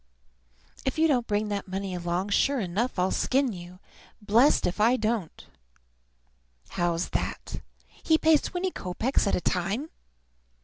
If you don't bring that money along, sure enough I'll skin you, blessed if I don't. How's that? He pays twenty kopeks at a time!